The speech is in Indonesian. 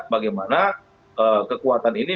bagaimana kekuatan ini